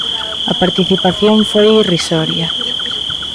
A participación foi irrisoria.